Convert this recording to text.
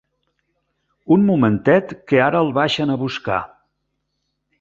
Un momentet que ara el baixen a buscar.